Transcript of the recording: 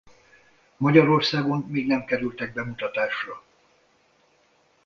Magyarországon még nem kerültek bemutatásra.